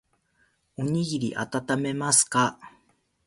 おにぎりあたためますか。